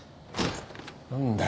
何だよ